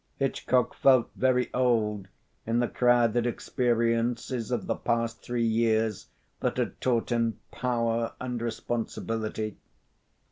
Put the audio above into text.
Hitchcock felt very old in the crowded experiences of the past three years, that had taught him power and responsibility.